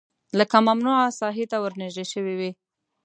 لکه ممنوعه ساحې ته ورنژدې شوی وي